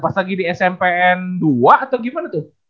pas lagi di smpn dua atau gimana tuh